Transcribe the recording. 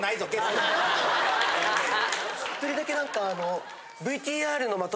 １人だけなんか。